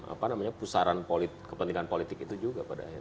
apa namanya pusaran politik kepentingan politik itu juga pada